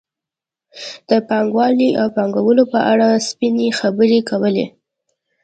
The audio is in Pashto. د پانګوالۍ او پانګوالو په اړه سپینې خبرې کولې.